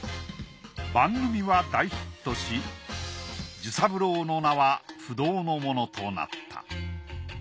番組は大ヒットし寿三郎の名は不動のものとなった。